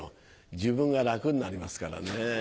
自分が楽になりますからね。